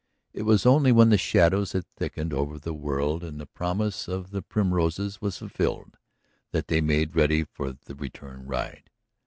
It was only when the shadows had thickened over the world and the promise of the primroses was fulfilled that they made ready for the return ride.